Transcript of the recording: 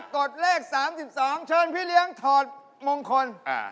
ตรวจเลขสามสิบสองเชิญพี่เลี้ยงถอดมงคล